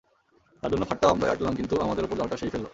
তার জন্য ফাঁদটা আমরাই আটলাম, কিন্তু আমাদের ওপর জালটা সে-ই ফেলল।